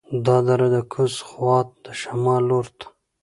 دا دره د کوز خوات د شمال لور ته